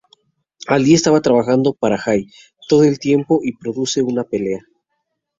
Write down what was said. Ali estaba trabajando para Jai todo el tiempo y se produce una pelea.